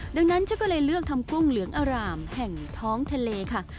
ดังนั้นฉันก็เลยเลือกทำกุ้งเหลืองอร่ามแห่งท้องทะเลค่ะ